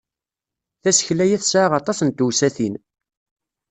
Tasekla-ya tesɛa aṭas n tewsatin.